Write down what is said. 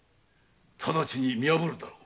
ただちに見破るだろう。